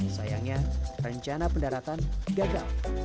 sayangnya rencana pendaratan gagal